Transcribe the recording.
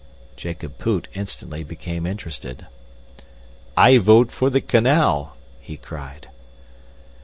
Jacob Poot instantly became interested. "I vote for the canal!" he cried.